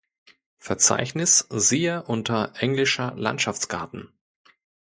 Verzeichnis siehe unter Englischer Landschaftsgarten.